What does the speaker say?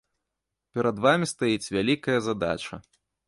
Перад вамі стаіць вялікая задача.